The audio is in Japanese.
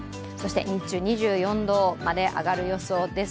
日中、２４度まで上がる予想です。